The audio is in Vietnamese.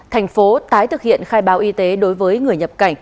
thành phố tái thực hiện khai báo y tế đối với người nhập cảnh